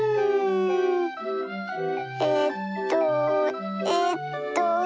えっとえっと。